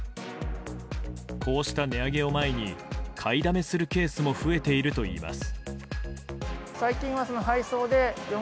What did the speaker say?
こうした値上げを前に買いだめするケースも増えているといいます。